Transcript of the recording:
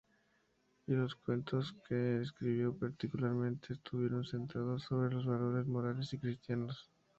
Y los cuentos que escribió, particularmente estuvieron centrados sobre los valores morales y cristianos.